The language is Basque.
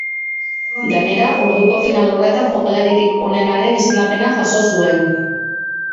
Gainera, orduko final horretan jokalaririk onenaren izendapena jaso zuen.